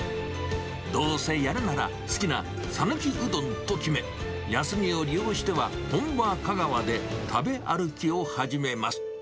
どうせやるなら、好きな讃岐うどんと決め、休みを利用しては、本場、香川で食べ歩きを始めます。